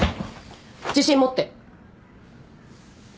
自信持って！